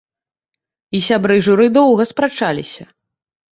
І сябры журы доўга спрачаліся.